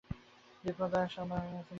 বিপ্রদাস আবার স্তম্ভিত হয়ে বসে রইল।